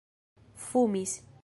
fumis